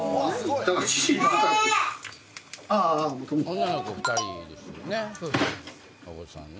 女の子２人ですもんね。